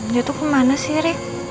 dia tuh kemana sih ri